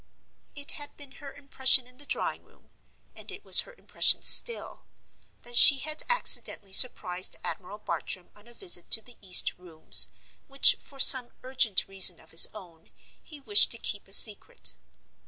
It had been her impression in the drawing room—and it was her impression still—that she had accidentally surprised Admiral Bartram on a visit to the east rooms, which, for some urgent reason of his own, he wished to keep a secret.